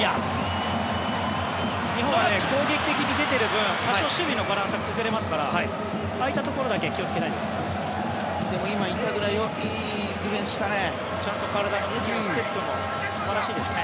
日本は攻撃的に出ている分多少、守備のバランスは崩れるからああいったところだけ気をつけたいですね。